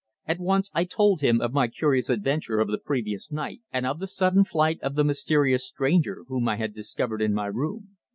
At once I told him of my curious adventure of the previous night, and of the sudden flight of the mysterious stranger whom I had discovered in my room.